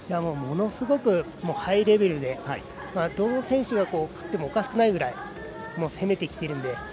ものすごくハイレベルでどの選手が勝ってもおかしくないぐらい攻めてきているので。